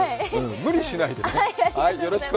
無理しないでね。